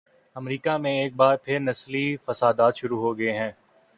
امریکہ میں ایک بار پھر نسلی فسادات شروع ہوگئے ہیں۔